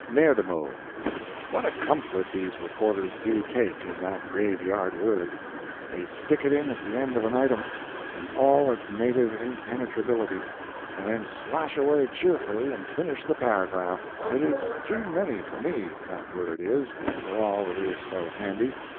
NEODAMODE What a comfort these reporters do take in that graveyard word! They stick it at the head of an item, in all its native impenetrability, and then slash away cheerfully and finish the paragraph. It is too many for me—that word is, for all it is so handy.